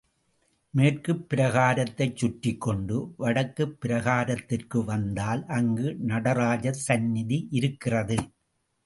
மேற்கு பிராகாரத்தைச் சற்றிக்கொண்டு, வடக்குப் பிராகாரத்திற்கு வந்தால், அங்கு நடராஜர் சந்நிதி இருக்கிறது.